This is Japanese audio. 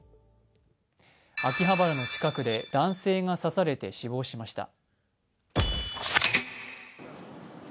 秋葉原の近くで男性が刺されて死亡しました。